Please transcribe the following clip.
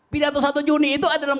pidato satu juni itu ada dalam